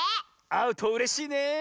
あうとうれしいねえ。